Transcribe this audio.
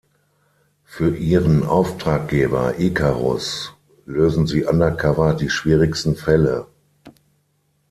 Für ihren Auftraggeber Ikarus lösen sie undercover die schwierigsten Fälle.